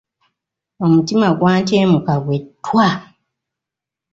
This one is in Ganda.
Omutima gwantyemuka bwe ttwa.